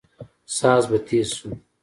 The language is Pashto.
ساز به تېز سو.